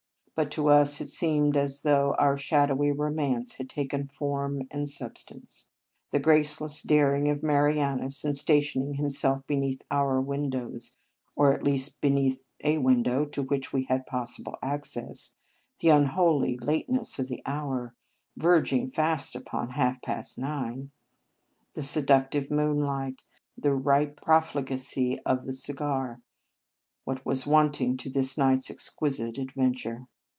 But to us it seemed as though our shadowy romance had taken form and substance. The graceless daring of Marianus in stationing himself beneath our windows, or at least beneath a window to which we had possible access; the unholy lateness of the hour, verging fast upon half past nine; the seductive moonlight; the ripe profligacy of the cigar; what was wanting to this night s exquisite adventure!